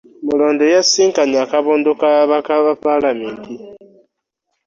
Mulondo yasisinkanye akabondo k'ababaka ba Paalamenti